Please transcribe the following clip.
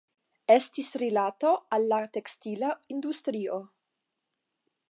Estis rilato al la tekstila industrio.